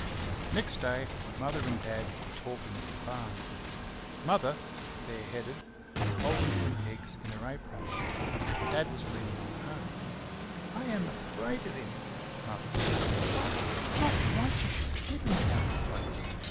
Next day Mother and Dad were talking at the barn. Mother, bare headed, was holding some eggs in her apron. Dad was leaning on a hoe. "I am AFRAID of him," Mother said; "it's not right you should keep him about the place.